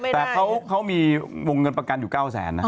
แต่เขามีวงเงินประกันอยู่๙๐๐๐๐๐บาท